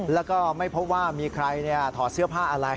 แล้วก็ไม่พบว่ามีใครถอดเสื้อผ้าอะไร